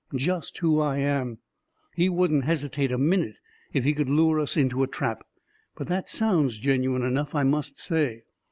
"Just who I am. He wouldn't hesitate a minute if he could lure us into a trap. But that sound's genuine enough, I must say."